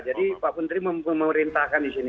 jadi pak menteri memerintahkan di sini